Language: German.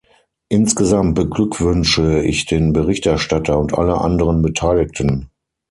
Insgesamt beglückwünsche ich den Berichterstatter und alle anderen Beteiligten.